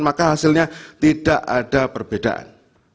maka hasilnya tidak ada perbedaan